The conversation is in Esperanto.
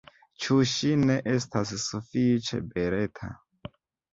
Ĉu ŝi ne estas sufiĉe beleta?